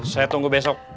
saya tunggu besok